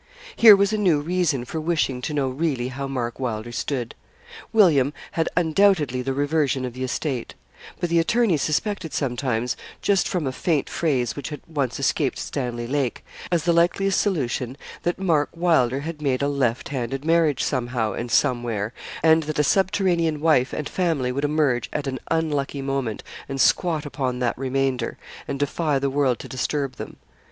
Here was a new reason for wishing to know really how Mark Wylder stood. William had undoubtedly the reversion of the estate; but the attorney suspected sometimes just from a faint phrase which had once escaped Stanley Lake as the likeliest solution, that Mark Wylder had made a left handed marriage somehow and somewhere, and that a subterranean wife and family would emerge at an unlucky moment, and squat upon that remainder, and defy the world to disturb them.